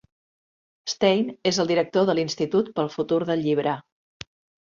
Stein és el director de l'Institut pel Futur del Llibre.